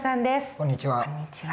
こんにちは。